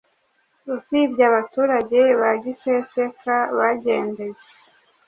Usibye abaturage ba giseseka bagendeye